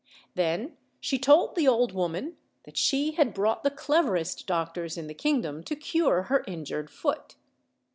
Then she told the old woman that she had brought the cleverest doctors in the kingdom to cure her injured foot.